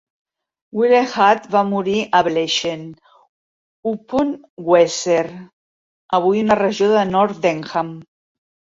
Willehad va morir a Blexen upon Weser, avui una regió de Nordenham.